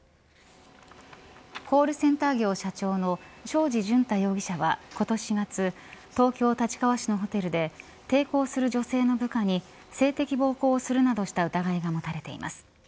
コールセンター業社長の正地淳太容疑者は今年４月東京立川市のホテルで抵抗する女性の部下に性的暴行するなどした疑いが持たれています。